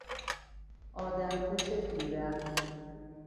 آدم کش بیرحم